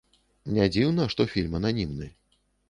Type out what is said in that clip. Не дзіўна, што фільм ананімны.